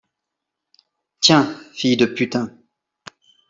Tiens, fille de putain !…